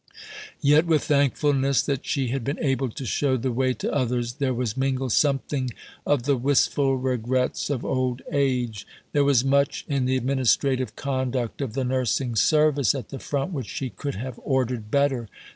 Yet with thankfulness that she had been able to show the way to others, there was mingled something of the wistful regrets of old age. There was much in the administrative conduct of the nursing service at the front which she could have ordered better.